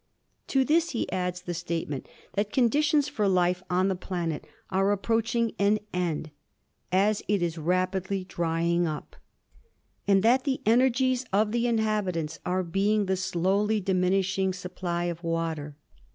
To this he adds the statement that conditions for life on the planet are approaching an end, as it is rapidly dry ing up, and that the energies of the inhabitants are being the slowly diminishing supply of water.